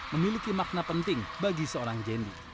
memiliki makna penting bagi seorang jendi